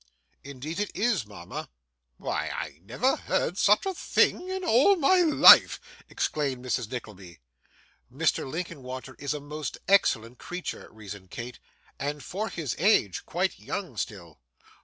'Indeed it is, mama.' 'Why, I never heard such a thing in my life!' exclaimed Mrs. Nickleby. 'Mr. Linkinwater is a most excellent creature,' reasoned Kate, 'and, for his age, quite young still.